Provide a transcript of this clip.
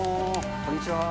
こんにちは。